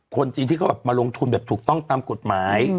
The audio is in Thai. คนจีนที่เขาแบบมาลงทุนแบบถูกต้องตามกฎหมาย